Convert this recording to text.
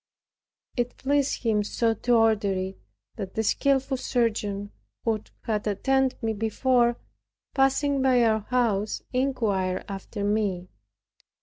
It pleased Him so to order it, that the skillful surgeon, who had attended me before, passing by our house, inquired after me.